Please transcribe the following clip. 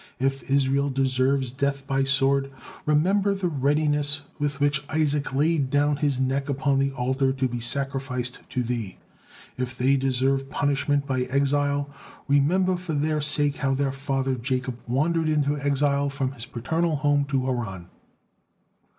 If Israel deserves death by sword, remember the readiness with which Isaac laid down his neck upon the altar to be sacrificed to Thee. If they deserve punishment by exile, remember for their sake how their father Jacob wandered into exile from his paternal home to Haran."